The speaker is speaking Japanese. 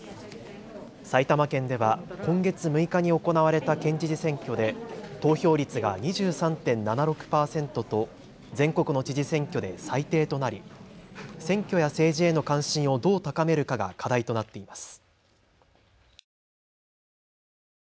埼玉県では今月６日に行われた県知事選挙で投票率が２３．７６％と全国の知事選挙で最低となり選挙や政治への関心をどう高めるかが課題となっています。